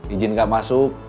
ijin gak masuk